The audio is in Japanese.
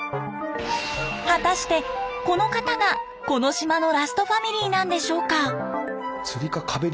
果たしてこの方がこの島のラストファミリーなんでしょうか？